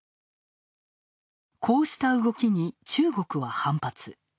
こうした動きに中国は反発。